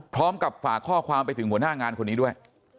พร้อมกับฝากข้อความไปถึงหัวหน้างานคนนี้ด้วย